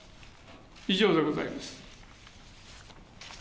以上でございます。